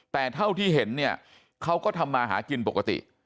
แต่เท่าที่เห็นเนี่ยเขาก็ทำมาหากินปกติ